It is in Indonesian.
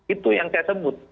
itu yang saya sebut